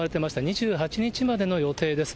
２８日までの予定です。